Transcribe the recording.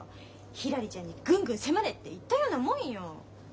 ひらりちゃんにぐんぐん迫れって言ったようなもんよ。